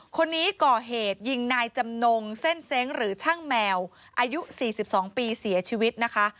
คนนี้ก่อเหตุยิงนายจำนงเส้นเซ้งหรือช่างแมวอายุ๔๒ปีเสียชีวิตนะคะ